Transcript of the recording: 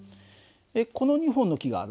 この２本の木があるね。